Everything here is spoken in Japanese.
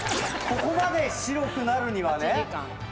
ここまで白くなるにはね。